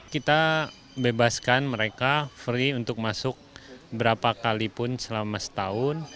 kita bebaskan mereka free untuk masuk berapa kalipun selama setahun